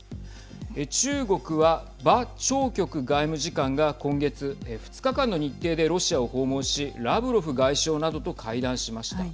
中国は馬朝旭外務次官が今月２日間の日程でロシアを訪問しラブロフ外相などと会談しました。